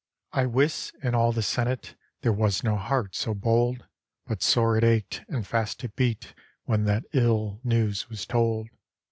I wis, in all the Senate, There was no heart so bold, But sore it ached, and fast it beat, When that ill news was told.